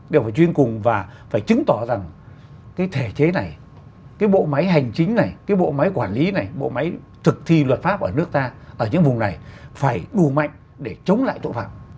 đều phải chuyên cùng và phải chứng tỏ rằng cái thể chế này cái bộ máy hành chính này cái bộ máy quản lý này bộ máy thực thi luật pháp ở nước ta ở những vùng này phải đủ mạnh để chống lại tội phạm